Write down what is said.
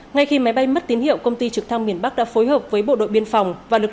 ngay khi máy bay mất tín hiệu công ty trực thăng miền bắc đã phối hợp với bộ đội biên phòng và lực lượng